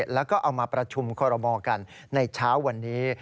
แล้วก็เอามาประชุมคอรมอกันในเช้าวันนี้